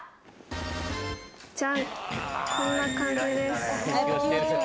こんな感じです。